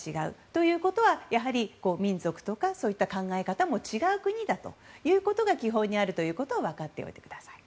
ということはやはり民族とかそういった考え方も違う国だということを基本にあるということを分かっておいてください。